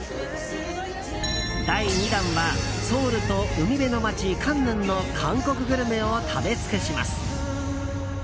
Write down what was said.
第２弾はソウルと海辺の街カンヌンの韓国グルメを食べつくします。